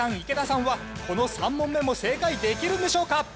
池田さんはこの３問目も正解できるんでしょうか？